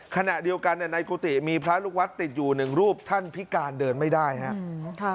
ขณะเดียวกันในกุฏิมีพระลูกวัดติดอยู่หนึ่งรูปท่านพิการเดินไม่ได้ครับ